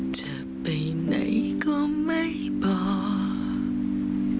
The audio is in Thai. จะไปไหนก็ไม่บอก